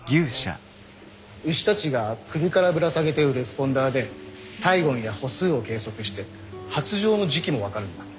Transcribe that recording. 牛たちが首からぶら下げてるレスポンダーで体温や歩数を計測して発情の時期も分かるんだ。